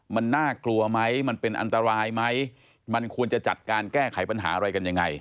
มันน่ากลัวไหมมันเป็นอันตรายไหมมันควรจะจัดการแก้ไขปัญหาอะไรกันยังไง